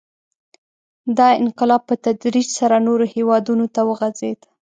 • دا انقلاب په تدریج سره نورو هېوادونو ته وغځېد.